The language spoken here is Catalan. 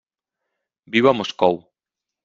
Viu a Moscou.